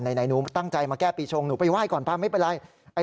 ไหนหนูตั้งใจมาแก้ปีชงหนูไปไห้ก่อนป่ะไม่เป็นไร